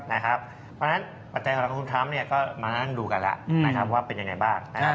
เพราะฉะนั้นปัจจัยของเราคุณพร้ำก็มาดูกันแล้วว่าเป็นอย่างไรบ้าง